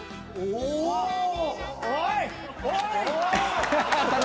「おい！」